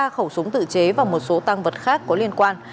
ba khẩu súng tự chế và một số tăng vật khác có liên quan